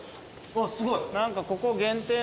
すごい。